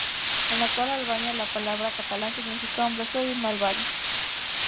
En la actual Albania, la palabra "catalán" significa "hombre feo y malvado".